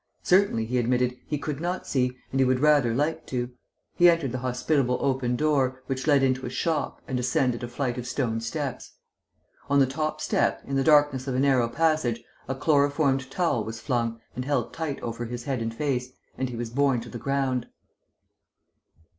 Certainly, he admitted, he could not see, and he would rather like to. He entered the hospitable open door, which led into a shop, and ascended a flight of stone steps. On the top step, in the darkness of a narrow passage, a chloroformed towel was flung and held tight over his head and face, and he was borne to the ground.